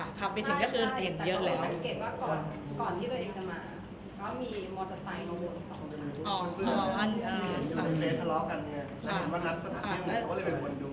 สังหรับวันนั้นก็ทับเดี้ยวเขาเลยไปวลดู